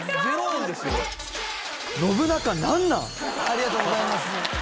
ありがとうございます。